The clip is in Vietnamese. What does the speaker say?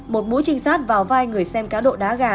một mũi trinh sát vào vai người xem cá độ đá gà